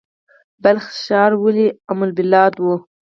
بلخ ښار ولې ام البلاد و؟